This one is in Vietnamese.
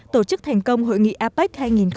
tổ chức thành công hội nghị apec hai nghìn một mươi bảy